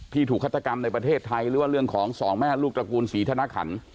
ถูกฆาตกรรมในประเทศไทยหรือว่าเรื่องของสองแม่ลูกตระกูลศรีธนขัน